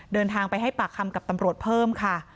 เดินทางไปให้ปากคำกับตำรวจเพิ่มค่ะ